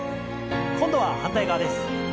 今度は反対側です。